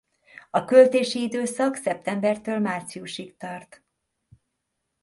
A költési időszak szeptembertől márciusig tart.